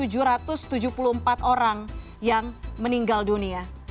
jadi ada sekitar enam puluh empat orang yang meninggal dunia